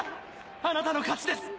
あなたの勝ちです！